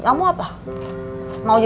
maksud kamu apa mau jadi tkw juga